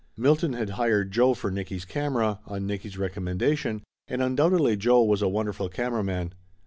Milton had hired Joe for Nicky's camera, on Nicky's recom mendation, and undoubtedly Joe was a wonderful cam era man.